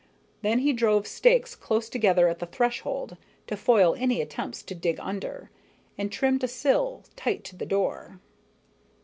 Then he drove stakes close together at the threshold, to foil any attempts to dig under, and trimmed a sill tight to the door.